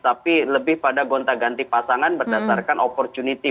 tapi lebih pada gonta ganti pasangan berdasarkan opportunity